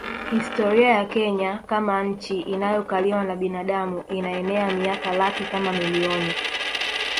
Historia ya Kenya kama nchi inayokaliwa na binadamu inaenea miaka laki kama milioni